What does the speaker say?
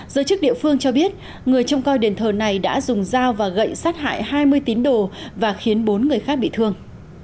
giới chức địa phương cho biết người trông coi đền thờ này đã dùng dao và gậy sát hại hai mươi tín đồ và khiến bốn người khác bị thương